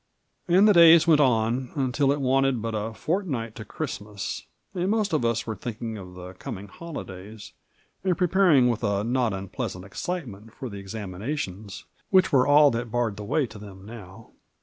And the days went on, until it wanted but a fortnight to Christmas, and most of us were thinking of the com ing holidays, and preparing with a not unpleasant excite ment for the examinations, which were all that barred the way to them now.